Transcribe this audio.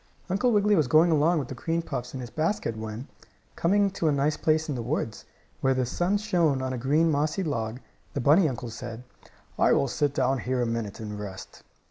Uncle Wiggily was going along with the cream puffs in his basket when, coming to a nice place in the woods, where the sun shone on a green, mossy log, the bunny uncle said: "I will sit down here a minute and rest."